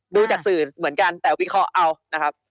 ดูจากสื่อเหมือนกันแต่วิเคราะห์เอานะครับ